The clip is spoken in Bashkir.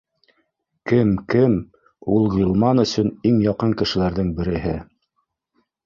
Кем, кем, ул Ғилман өсөн иң яҡын кешеләрҙең береһе